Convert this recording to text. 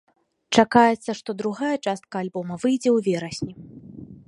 Чакаецца, што другая частка альбома выйдзе ў верасні.